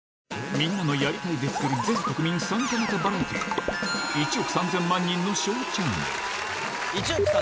みんなの「やりたい」で作る全国民参加型バラエティー『１億３０００万人のＳＨＯＷチャンネル』！